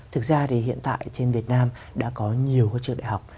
thực ra thì hiện tại trên việt nam đã có nhiều trường đại học